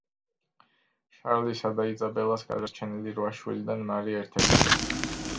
შარლისა და იზაბელას გადარჩენილი რვა შვილიდან, მარი ერთ-ერთია.